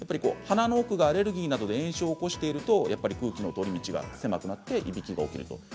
鼻の奥がアレルギーなどで炎症を起こしているとやっぱり空気の通り道が狭くなっていびきが起きてくる。